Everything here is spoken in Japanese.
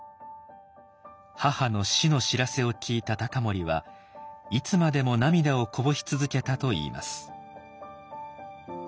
母の死の知らせを聞いた隆盛はいつまでも涙をこぼし続けたといいます。